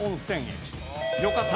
よかった！